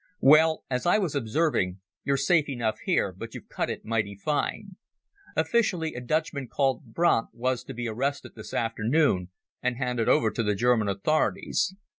Well, as I was observing, you're safe enough here, but you've cut it mighty fine. Officially, a Dutchman called Brandt was to be arrested this afternoon and handed over to the German authorities.